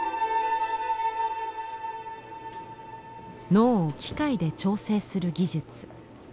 脳を機械で調整する技術。